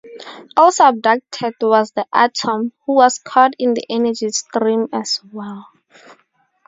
Also abducted was The Atom, who was caught in the energy stream as well.